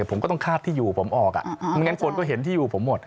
ผมก็ต้องคาดที่อยู่ผมออกอ่ะไม่งั้นคนก็เห็นที่อยู่ผมหมด